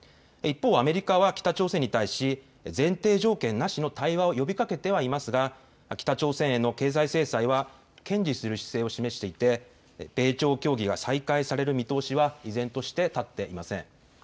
一方、アメリカは北朝鮮に対し前提条件なしの対話を呼びかけてはいますが北朝鮮への経済制裁は堅持する姿勢を示していて米朝協議が再開される見通しは依然として立っていません。